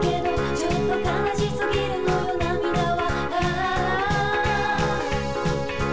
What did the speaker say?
「ちょっと悲しすぎるのよ涙は」